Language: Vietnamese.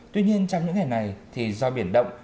tuy nhiên trong những ngày này thì do biển động